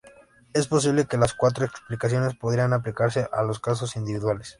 Es posible que las cuatro explicaciones podrían aplicarse a los casos individuales.